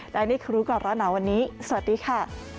และนี่คือก่อนแล้วนะวันนี้สวัสดีค่ะ